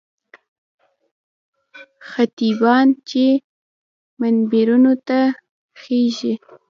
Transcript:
خطیبان چې منبرونو ته خېژي.